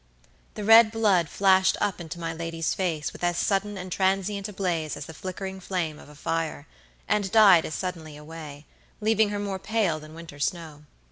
The red blood flashed up into my lady's face with as sudden and transient a blaze as the flickering flame of a fire, and died as suddenly away, leaving her more pale than winter snow.